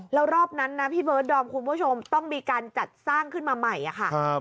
แล้วรอบนั้นนะพี่เบิร์ดดอมคุณผู้ชมต้องมีการจัดสร้างขึ้นมาใหม่ค่ะ